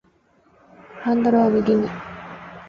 ハンドルを右に